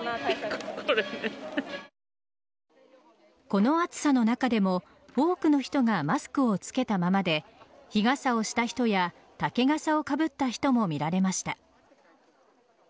この暑さの中でも、多くの人がマスクをつけたままで日傘を差した人や竹笠をかぶった人も見られました。